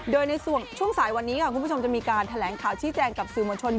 โดยในช่วงสายวันนี้ค่ะคุณผู้ชมจะมีการแถลงข่าวชี้แจงกับสื่อมวลชน